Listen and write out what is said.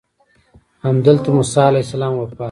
همدلته موسی علیه السلام وفات شو.